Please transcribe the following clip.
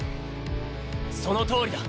そのとおりだ。